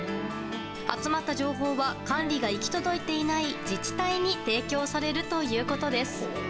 集まった情報は管理が行き届いていない自治体に提供されるということです。